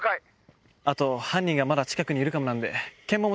あと犯人がまだ近くにいるかもなんで。